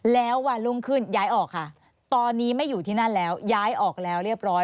แล้ววันรุ่งขึ้นย้ายออกค่ะตอนนี้ไม่อยู่ที่นั่นแล้วย้ายออกแล้วเรียบร้อย